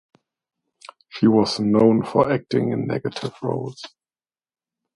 She was known for acting in negative roles.